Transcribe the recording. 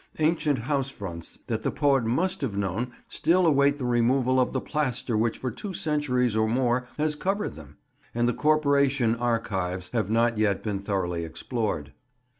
Ancient house fronts that the poet must have known still await the removal of the plaster which for two centuries or more has covered them; and the Corporation archives have not yet been thoroughly explored.